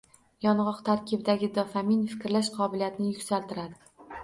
Yong‘oq tarkibidagi dofamin fikrlash qobiliyatini yuksaltiradi.